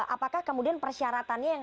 apakah kemudian persyaratannya yang